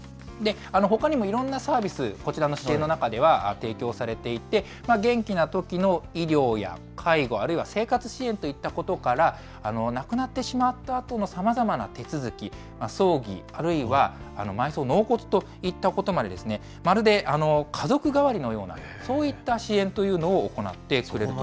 ほかにも、いろんなサービス、こちらの支援の中では提供されていて、元気なときの医療や介護、あるいは生活支援といったことから亡くなってしまったあとの、さまざまな手続き、葬儀、あるいは埋葬、納骨といったことまでまるで家族代わりのような、そういった支援というのを行って。